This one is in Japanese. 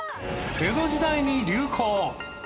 江戸時代に流行した